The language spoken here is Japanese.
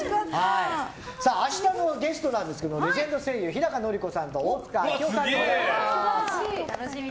明日のゲストなんですけどレジェンド声優日高のり子さんと大塚明夫さんがいらっしゃいます。